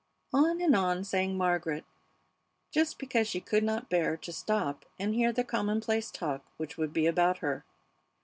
On and on sang Margaret, just because she could not bear to stop and hear the commonplace talk which would be about her.